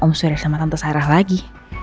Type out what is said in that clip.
om surya sama tante sarah lagi